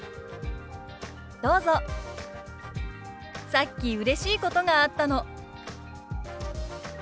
「さっきうれしいことがあったの」。